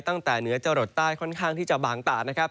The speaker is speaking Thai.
ตั้งแต่เหนือจรดใต้ค่อนข้างที่จะบางตานะครับ